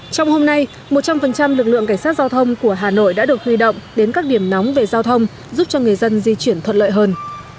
trong hôm nay một trăm linh lực lượng cảnh sát giao thông của hà nội đã được huy động đến các điểm nóng về giao thông giúp cho người dân di chuyển thuận lợi hơn